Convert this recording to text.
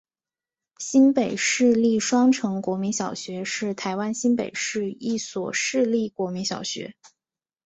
新北市立双城国民小学是台湾新北市一所市立国民小学。